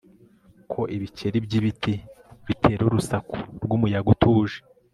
ko ibikeri byibiti bitera urusaku rwumuyaga utuje